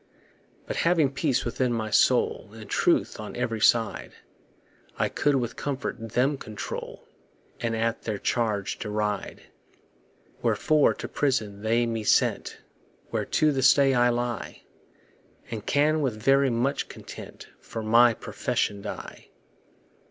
But having peace within my soul, And truth on every side, I could with comfort them control, And at their charge deride. Wherefore to prison they me sent, Where to this day I lie; And can with very much content For my profession die.